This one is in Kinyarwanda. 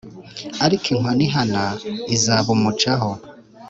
ariko inkoni ihana izabumucaho